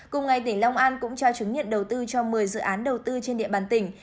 cùng ngày tỉnh long an cũng trao chứng nhận đầu tư cho một mươi dự án đầu tư trên địa bàn tỉnh